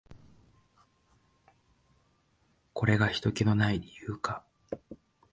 これがひとけの無い理由か。